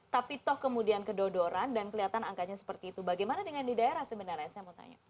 tapi toh kemudian kedodoran dan kelihatan angkanya seperti itu bagaimana dengan di daerah sebenarnya saya mau tanya